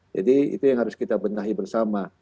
jadi itu yang harus kita benahi bersama